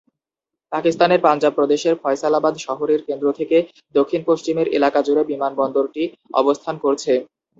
পাকিস্তানের পাঞ্জাব প্রদেশের ফয়সালাবাদ শহরের কেন্দ্র থেকে দক্ষিণ পশ্চিমের এলাকাজুড়ে বিমানবন্দরটি অবস্থান করছে।